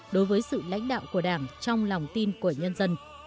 đối với sự lãnh đạo của đảng trong lòng tin của nhân dân